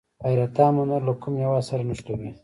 حیرتان بندر له کوم هیواد سره نښلوي؟